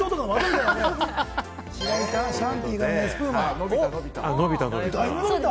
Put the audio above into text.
伸びた伸びた。